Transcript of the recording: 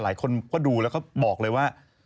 หลายคนก็ดูแล้วก็บอกเลยว่า